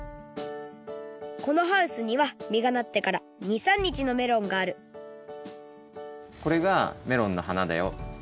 このハウスにはみがなってから２３にちのメロンがあるこれがメロンの花だよ。